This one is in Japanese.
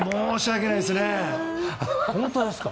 本当ですか？